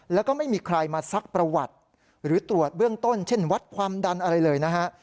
แล้วก็ไม่มีใครมาซักประวัติหรือตรวจเบื้องต้นเช่นวัดความดันอะไรเลยนะฮะ